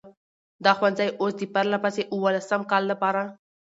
دا ښوونځی اوس د پرلهپسې اوولسم کال لپاره،